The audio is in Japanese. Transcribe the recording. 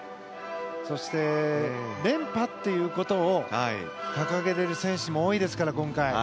そして、連覇ということを掲げている選手も多いですから、今回。